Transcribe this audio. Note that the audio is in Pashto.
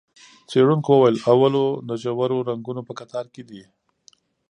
څېړونکو وویل، اولو د ژورو رنګونو په کتار کې دی.